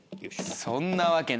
そんなわけない。